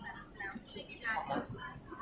เวลาแรกพี่เห็นแวว